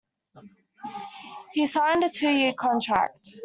He signed a two-year contract.